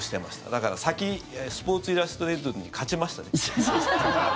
だから先、「スポーツ・イラストレイテッド」に勝ちましたね。